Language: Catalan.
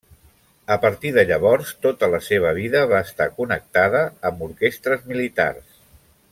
A partir de llavors tota la seva vida va estar connectada amb orquestres militars.